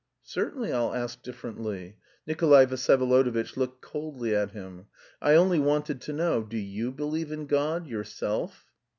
"Certainly I'll ask differently." Nikolay Vsyevolodovitch looked coldly at him. "I only wanted to know, do you believe in God, yourself?"